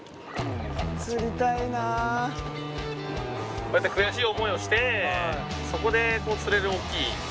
こうやって悔しい思いをしてそこで釣れる大きいサワラ。